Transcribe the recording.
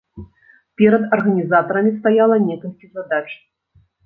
Перад арганізатарамі стаяла некалькі задач.